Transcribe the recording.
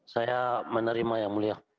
saya menerima yang mulia